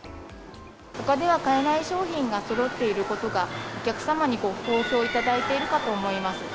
ほかでは買えない商品がそろっていることが、お客様にも好評をいただいているかと思います。